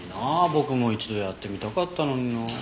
僕も一度やってみたかったのにな。